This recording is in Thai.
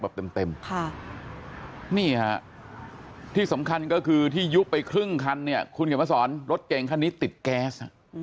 แบบเต็มค่ะนี่ฮะที่สำคัญก็คือที่ยุบไปครึ่งคันเนี่ยคุณเขียนมาสอนรถเก่งคันนี้ติดแก๊ส